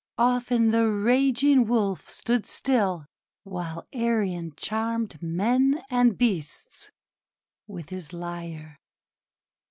Often the raging Wolf stood still, while Arion charmed men and beasts with his lyre.